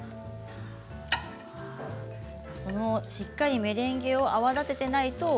しっかりとメレンゲを泡立てていないと。